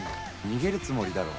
逃げるつもりだろ」